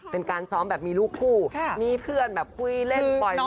เป็นการซ้อมแบบมีลูกคู่มีเพื่อนแบบคุยเล่นปล่อย